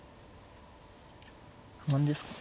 不満ですか。